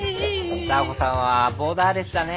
ダー子さんはボーダーレスだね。